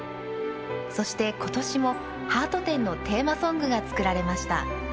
そしてことしも「ハート展」のテーマソングがつくられました。